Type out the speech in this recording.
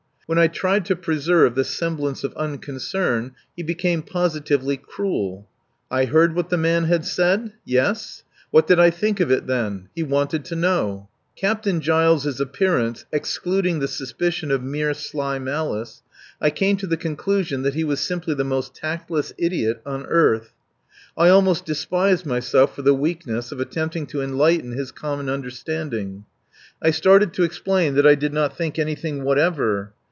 When I tried to preserve the semblance of unconcern he became positively cruel. I heard what the man had said? Yes? What did I think of it then? he wanted to know. Captain Giles' appearance excluding the suspicion of mere sly malice, I came to the conclusion that he was simply the most tactless idiot on earth. I almost despised myself for the weakness of attempting to enlighten his common understanding. I started to explain that I did not think anything whatever.